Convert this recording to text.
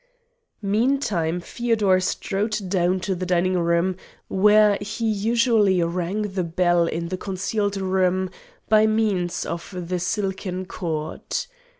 Meantime Feodor strode down to the dining room where he usually rang the bell in the concealed room by means of the silken cord.